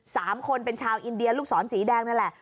สามคนเป็นชาวอินเดียลูกศรสีแดงนั่นแหละ